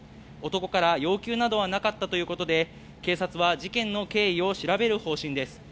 男から要求などはなかったということで、警察は事件の経緯を調べる方針です。